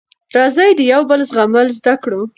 راځی د یوبل زغمل زده کړو